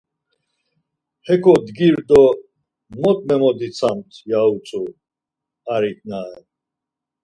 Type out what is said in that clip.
Heko dgir do mot memodzitsamt ya utzu arik na ren.